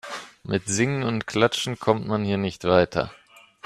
Mit Singen und Klatschen kommt man hier nicht weiter.